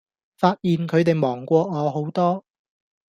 發現佢地忙過我好多